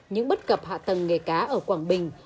những bất cập hạ tầng nghề cá ở quảng bình